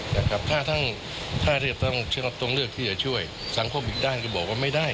ถ้าต้องเลือกที่จะช่วยสังคมอีกด้านก็บอกว่าไม่ได้